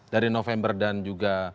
dari november dan juga